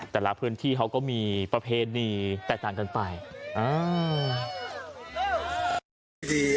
แต่ละพื้นที่เขาก็มีประเพณีแตกต่างกันไปอ่า